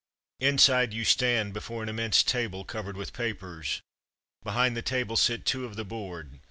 Inside you stand before an immense table covered with papers. Behind the table sit two of the Board.